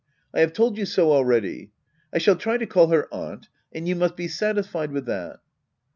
I have told you so already. I shall try to call her " Aunt "; and you must be satisfied with that.